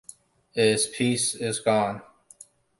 Its peace is gone!